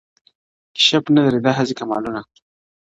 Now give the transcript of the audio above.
کشپ نه لري داهسي کمالونه -